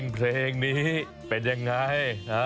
เพลงนี้เป็นยังไง